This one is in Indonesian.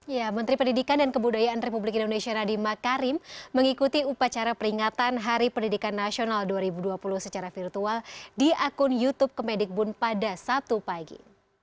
ya menteri pendidikan dan kebudayaan republik indonesia radi makarim mengikuti upacara peringatan hari pendidikan nasional dua ribu dua puluh secara virtual di akun youtube kemedikbun pada sabtu pagi